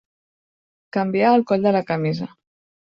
Canviar el coll de la camisa.